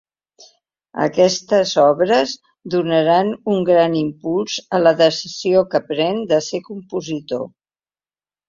Aquestes obres donaran un gran impuls a la decisió que pren de ser compositor.